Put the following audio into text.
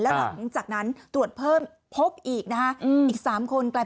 แล้วหลังจากนั้นตรวจเพิ่มพบอีกนะฮะอืมอีกสามคนกลาย